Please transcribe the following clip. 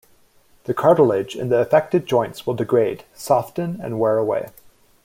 The cartilage in the affected joints will degrade, soften and wear away.